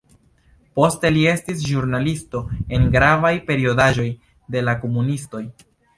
Poste li estis ĵurnalisto en gravaj periodaĵoj de la komunistoj.